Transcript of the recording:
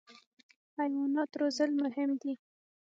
حیوانات روزل مهم دي.